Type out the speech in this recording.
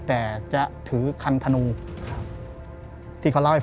และหนึ่งก็แบบ